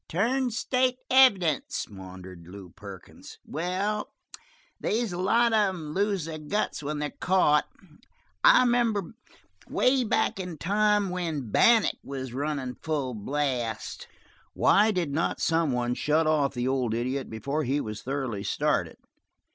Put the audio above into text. "Turned state's evidence!" maundered Lew Perkins. "Well, they's a lot of 'em that lose their guts when they're caught. I remember way back in the time when Bannack was runnin' full blast " Why did not some one shut off the old idiot before he was thoroughly started?